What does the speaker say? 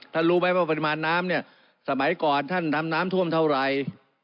รู้ไหมว่าปริมาณน้ำเนี่ยสมัยก่อนท่านทำน้ำท่วมเท่าไหร่